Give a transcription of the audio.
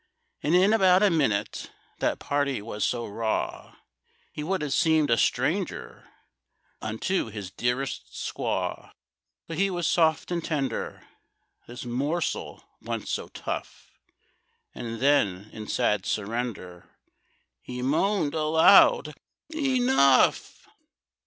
And in about a minute That party was so raw, He would have seemed a stranger Unto his dearest squaw; Till he was soft and tender, This morsel once so tough, And then, in sad surrender, He moaned aloud, "Enough!"